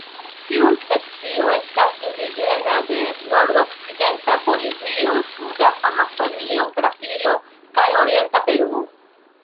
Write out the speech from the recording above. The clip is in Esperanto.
Tiu specio estas indiĝena de nordokcidenta Bolivio, suda Amazonia Brazilo kaj orienta Peruo.